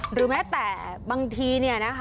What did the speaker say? หรือแม้แต่บางที